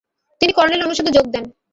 তিনি কর্নেল অনুষদে যোগ দেন।